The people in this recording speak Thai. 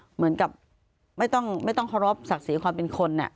เหมือนกับไม่ต้องเคารพศักดิ์ศรีความเป็นคน